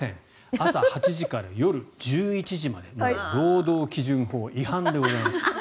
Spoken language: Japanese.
朝８時から夜１１時まで労働基準法違反でございます。